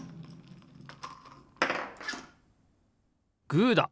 グーだ！